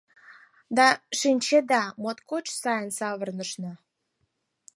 Да, шинчеда, моткоч сайын савырнышна.